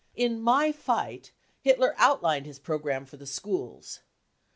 In My Fight Hitler outlined his programme for the schools.